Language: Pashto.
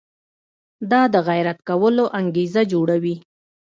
دا د غیرت کولو انګېزه جوړوي.